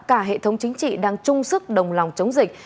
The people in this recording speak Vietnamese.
cả hệ thống chính trị đang chung sức đồng lòng chống dịch